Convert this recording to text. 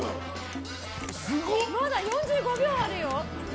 まだ４５秒あるよ。